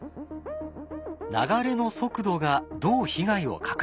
流れの速度がどう被害を拡大したのか？